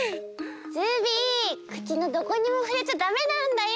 ズビー口のどこにもふれちゃダメなんだよ！